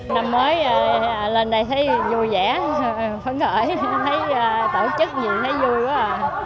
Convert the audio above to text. năm mới lên đây thấy vui vẻ phấn khởi thấy tổ chức gì thấy vui quá à